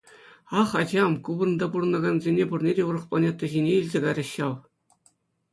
Ах, ачам, ку вырӑнта пурӑнакансене пурне те урӑх планета ҫине илсе кайрӗҫ ҫав.